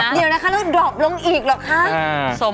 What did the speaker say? เดี๋ยวนะครับดอบลงอีกหรอกครับ